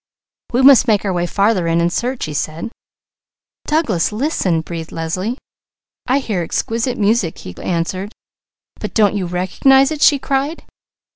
"We must make our way farther in and search," he said. "Douglas, listen!" breathed Leslie. "I hear exquisite music," he answered. "But don't you recognize it?" she cried.